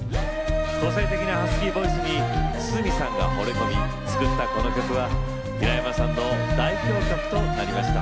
個性的なハスキーボイスに筒美さんがほれ込みつづったこの曲は平山さんの代表曲となりました。